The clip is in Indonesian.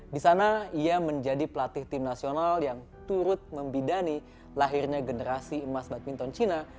di sana ia menjadi pelatih tim nasional yang turut membidani lahirnya generasi emas badminton cina